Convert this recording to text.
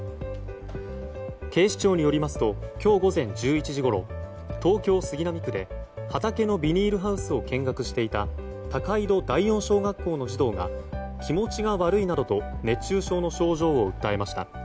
警視庁によりますと今日午前１１時ごろ東京・杉並区で畑のビニールハウスを見学していた高井戸第四小学校の児童が気持ちが悪いなどと熱中症の症状を訴えました。